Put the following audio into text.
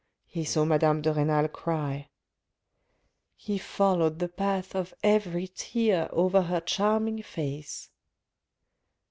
He saw madame de Renal cry ... He followed the path of every tear over her charming face.